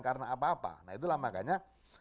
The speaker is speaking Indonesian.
karena apa apa nah itulah makanya